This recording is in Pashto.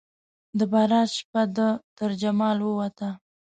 د برات شپه ده ترجمال ووته